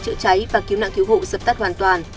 chữa cháy và cứu nạn cứu hộ dập tắt hoàn toàn